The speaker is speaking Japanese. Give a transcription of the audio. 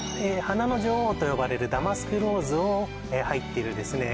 花の女王と呼ばれるダマスクローズを入っているですね